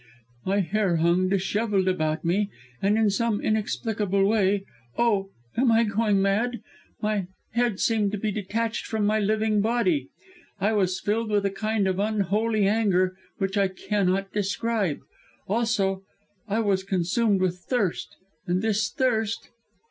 "My hair hung dishevelled about me and in some inexplicable way oh! am I going mad! my head seemed to be detached from my living body! I was filled with a kind of unholy anger which I cannot describe. Also, I was consumed with thirst, and this thirst...."